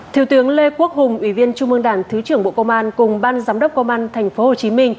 thiếu tướng lê quốc hùng ủy viên trung mương đảng thứ trưởng bộ công an cùng ban giám đốc công an tp hcm